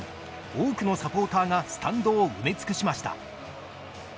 多くのサポーターがスタンドを埋め尽くしました。